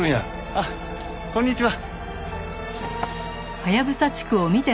あっこんにちは。